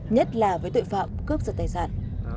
nhất là với tội phạm cướp giật tài sản